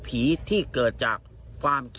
พี่ทีมข่าวของที่รักของ